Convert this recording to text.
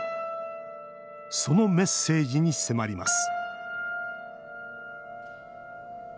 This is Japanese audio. そのメッセージに迫ります